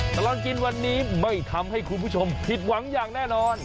ตลอดกินวันนี้ไม่ทำให้คุณผู้ชมผิดหวังอย่างแน่นอน